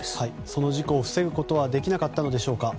その事故を防ぐことはできなかったのでしょうか。